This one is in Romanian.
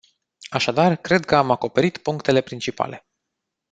Așadar, cred că am acoperit punctele principale.